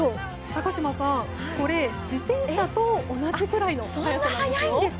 高島さん、これ自転車と同じくらいの速さなんです。